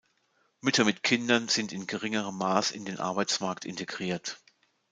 Mütter mit Kindern sind in geringerem Maße in den Arbeitsmarkt integriert.